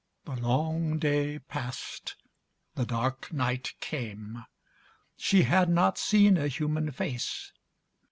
The long day passed, the dark night came; She had not seen a human face.